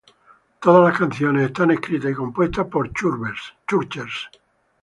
Todas las canciones son escritas y compuestas por Chvrches.